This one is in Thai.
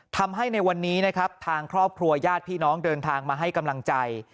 ทำให้ในวันนี้นะครับทางครอบครัวญาติพี่น้องเดินทางมาให้กำลังใจ